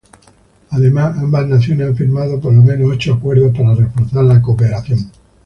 Además, ambas naciones han firmado por lo menos ocho acuerdos para reforzar la cooperación.